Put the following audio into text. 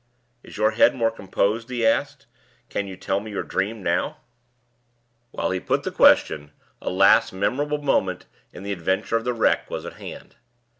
"Is your head more composed?" he asked. "Can you tell me your dream now?" While he put the question, a last memorable moment in the Adventure of the Wreck was at hand.